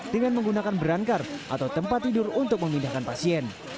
dengan menggunakan berankar atau tempat tidur untuk memindahkan pasien